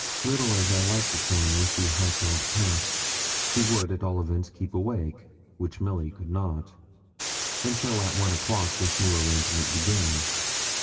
Little as I liked the crone with the high cauled cap, she would, at all events, keep awake, which Milly could not. And so at one o'clock this new arrangement began.